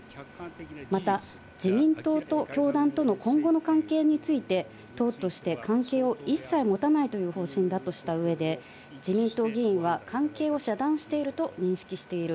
また、自民党と教団との今後の関係について、党として関係を一切持たないという方針だとしたうえで、自民党議員は関係を遮断していると認識している。